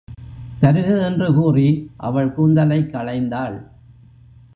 தருக என்று கூறி அவள் கூந்தலைக் களைந்தாள்.